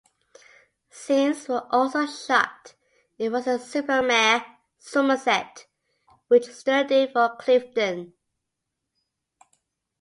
Scenes were also shot in Weston-super-Mare, Somerset, which stood in for Clevedon.